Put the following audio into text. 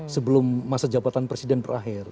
sebelum masa jabatan presiden berakhir